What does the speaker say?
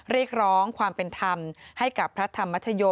เรียกร้องความเป็นธรรมให้กับพระธรรมชโย